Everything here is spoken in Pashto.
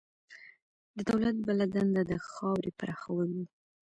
د دولت بله دنده د خاورې پراخول وو.